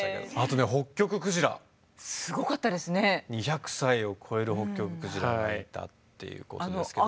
２００歳を越えるホッキョククジラがいたっていうことですけど。